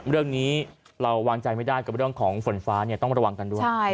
เรื่องนี้เราวางใจไม่ได้กับเรื่องของฝนฟ้าต้องระวังกันด้วย